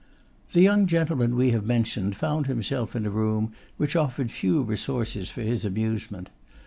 The young gentleman we have mentioned found himself in a room which offered few resources for his amusement.